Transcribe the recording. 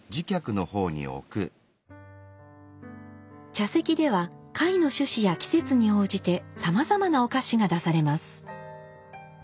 茶席では会の趣旨や季節に応じてさまざまなお菓子が出されます。